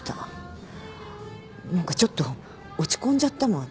何かちょっと落ち込んじゃったもん